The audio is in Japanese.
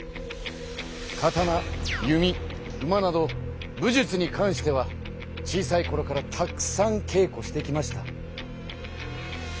刀弓馬など武術に関しては小さいころからたくさん稽古してきました。